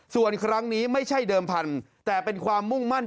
ส่วนครั้งนี้ไม่ใช่เดิมพันธุ์แต่เป็นความมุ่งมั่น